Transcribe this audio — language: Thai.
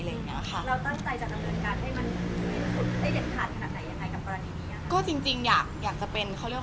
แล้วตั้งใจจะทำเหมือนกันให้มันได้เจ็บขาดขนาดไหนกับกรณีนี้